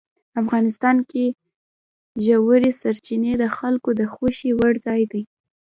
افغانستان کې ژورې سرچینې د خلکو د خوښې وړ ځای دی.